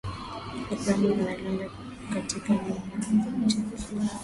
programu zinalenga katika mambo yenye mantiki